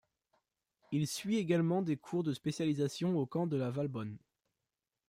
Il suit également des cours de spécialisation au camp de La Valbonne.